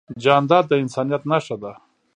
جانداد د انسانیت نښه ده.